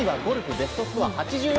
ベストスコア８４。